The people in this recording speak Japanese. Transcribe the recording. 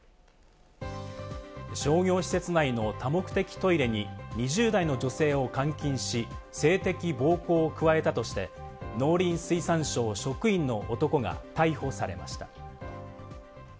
商業施設内の多目的トイレに２０代の女性を監禁し、性的暴行を加えたとして、農林水産省職員の男が逮捕されました。